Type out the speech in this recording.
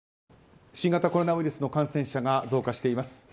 新型コロナウイルスの感染者が増加しています。